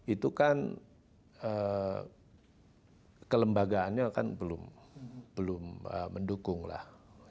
itu kan kelembagaannya kan belum mendukung lah